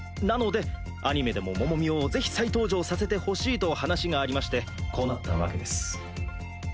なのでアニメでもモモミをぜひ再登場させてほしいと話がありましてこうなったわけです。